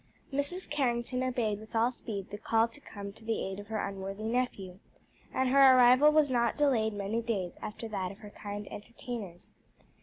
_ Mrs. Carrington obeyed with all speed the call to come to the aid of her unworthy nephew, and her arrival was not delayed many days after that of their kind entertainers.